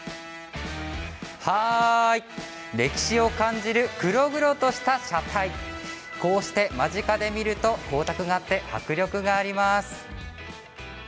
歴史を感じる黒々とした車体間近で見ると光沢があって迫力があります。